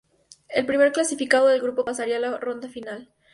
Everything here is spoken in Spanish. El primer clasificado del grupo pasaría a la ronda final.